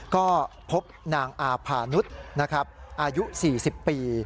ก็พบนางอาภาณุฏอายุ๔๐ปี